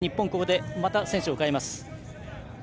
日本、また選手を代えます。